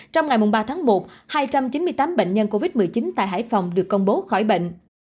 trong ngày ba tháng một hai trăm chín mươi tám bệnh nhân covid một mươi chín tại hải phòng được công bố khỏi bệnh